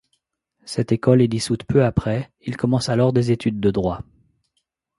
Cette école est dissoute peu après, il commence alors des études de droit.